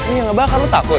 ngebakar lo takut